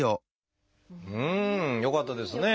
うん！よかったですね。